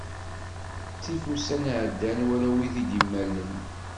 Ttif ussan iɛeddan wala wid d-immalen.